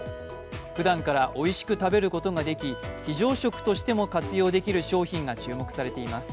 ふだんからおいしく食べることができ非常食としても活用できる商品が注目されています。